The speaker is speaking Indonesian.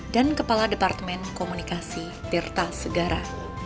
dan kepala departemen komunikasi tirta segara